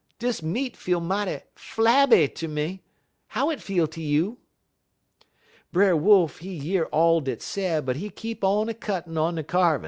Dis meat feel mighty flabby ter me; how it feel ter you?' "Brer Wolf, he year all dat's said, but he keep on a cuttin' un a kyarvin'.